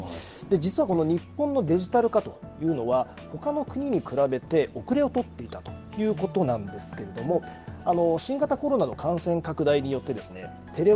実は、この日本のデジタル化というのはほかの国に比べて後れを取っていたということなんですけれども新型コロナの感染拡大によってですね